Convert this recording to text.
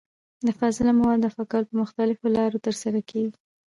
د فاضله موادو دفع کول په مختلفو لارو ترسره کېږي.